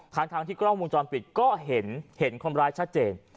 ทางที่กล้องมุมจอมปิดก็เห็นเห็นขมรายชัดเจน